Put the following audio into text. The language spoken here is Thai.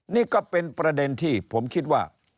นี่ก็เป็นประเด็นที่ผมคิดว่า